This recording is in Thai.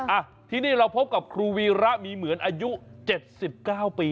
อ่ะที่นี่เราพบกับครูวีระมีเหมือนอายุ๗๙ปี